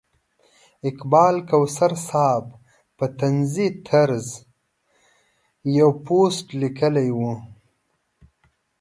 اقبال کوثر صاحب په طنزي طرز یو پوسټ لیکلی و.